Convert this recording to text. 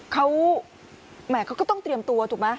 เขาแหมเขาก็ต้องเตรียมตัวถูกไหม